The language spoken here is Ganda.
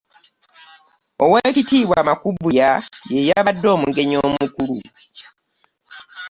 Oweekitiibwa Makubuya ye yabadde omugenyi omukulu.